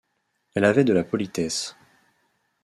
Elle avait de la politesse.